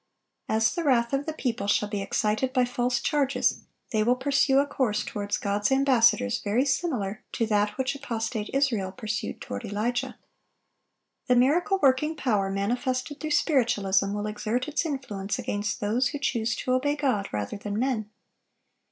(1026) As the wrath of the people shall be excited by false charges, they will pursue a course toward God's ambassadors very similar to that which apostate Israel pursued toward Elijah. The miracle working power manifested through Spiritualism will exert its influence against those who choose to obey God rather than men.